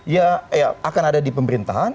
ya akan ada di pemerintahan